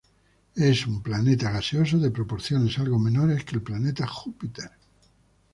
Es un planeta gaseoso de proporciones algo menores que el planeta Júpiter.